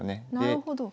なるほど。